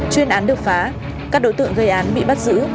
chuyên án được phá các đối tượng gây án bị bắt giữ